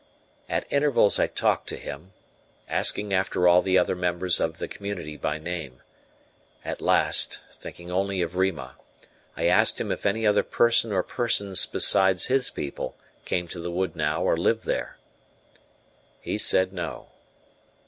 At intervals I talked to him, asking after all the other members of the community by name. At last, thinking only of Rima, I asked him if any other person or persons besides his people came to the wood now or lived there. He said no.